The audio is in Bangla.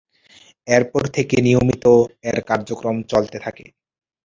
এর পর থেকে নিয়মিত এর কার্যক্রম চলতে থাকে।